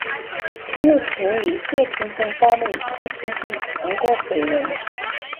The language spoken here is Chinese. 他又曾与谢霆锋胞妹谢婷婷传过绯闻。